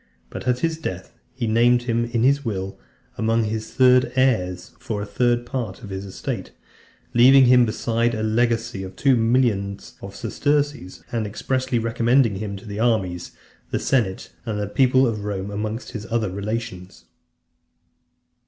But at his death, he named him in his will, amongst his third heirs, for a third part of his estate; leaving him besides a legacy of two millions of sesterces, and expressly recommending him to the armies, the senate and people of Rome, amongst his other relations.